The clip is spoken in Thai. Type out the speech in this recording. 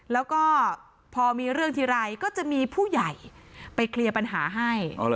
แล้วก็พอมีเรื่องทีไรก็จะมีผู้ใหญ่ไปเคลียร์ปัญหาให้